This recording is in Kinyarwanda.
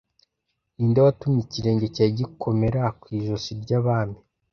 Ni nde watumye ikirenge cyawe gikomera ku ijosi ry'abami?